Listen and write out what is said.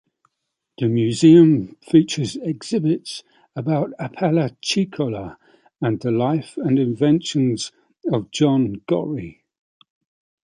The museum features exhibits about Apalachicola and the life and inventions of John Gorrie.